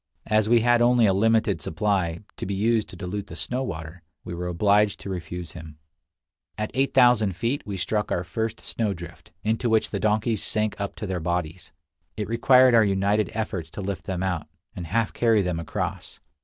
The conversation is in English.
As we had only a limited supply, to be used to dilute the snow water, we were obliged to refuse him. At 8000 feet we struck our first snowdrift, into which the donkeys sank up to their bodies. It required our united efforts to lift them out, and half carry them across.